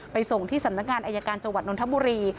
ส่งที่สำนักงานอายการจังหวัดนทบุรี